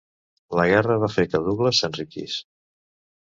La guerra va fer que Douglas s'enriquís.